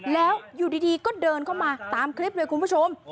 แล้วอยู่ดีก็เดินเข้ามาตามคลิปเลยคุณผู้ชม